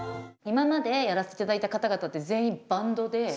今までやらせていただいた方々って全員バンドで。